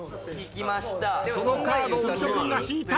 そのカードを浮所君が引いた。